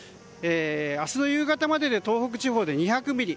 明日の夕方までで東北地方で２００ミリ